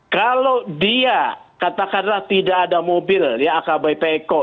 kalau dia katakanlah tidak ada mobil ya akbp eko